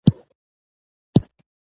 يو بل جايز فرهنګي اصل لرو